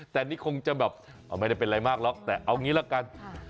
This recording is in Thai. แต่นี่คงจะแบบไม่ได้เป็นอะไรมากหรอกแต่เอางี้ละกัน